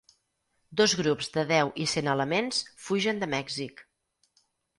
Dos grups de deu i cent elements fugen de Mèxic.